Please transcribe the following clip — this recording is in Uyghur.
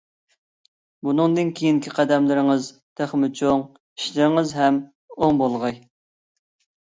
بۇندىن كېيىنكى قەدەملىرىڭىز تېخىمۇ چوڭ، ئىشلىرىڭىز ھەم ئوڭ بولغاي!